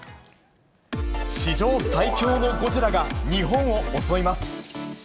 史上最恐のゴジラが日本を襲います。